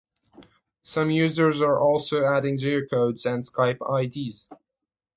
Some users are also adding geocodes and Skype ids.